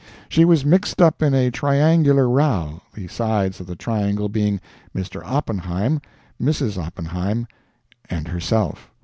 She was mixed up in a triangular row, the sides of the triangle being Mr. Oppenheim, Mrs. Oppenheim, and herself.